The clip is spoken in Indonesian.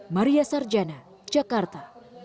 maria sarjana jakarta